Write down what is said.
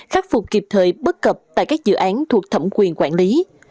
khắc phục kịp thời bất cập tại các dự án thuộc thẩm quyền quản lý